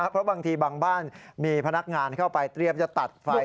เพราะบางทีบางบ้านมีพนักงานเข้าไปเตรียมจะตัดไฟ